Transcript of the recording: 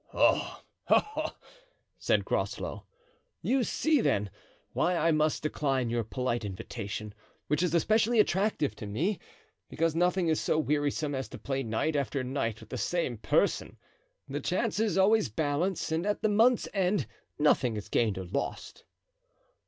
"Ah! ah!" said Groslow. "You see, then, why I must decline your polite invitation, which is especially attractive to me, because nothing is so wearisome as to play night after night with the same person; the chances always balance and at the month's end nothing is gained or lost."